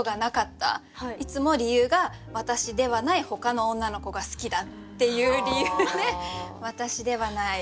いつも理由が私ではないほかの女の子が好きだっていう理由で私ではない。